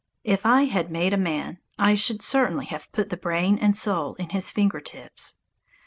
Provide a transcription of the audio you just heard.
If I had made a man, I should certainly have put the brain and soul in his finger tips.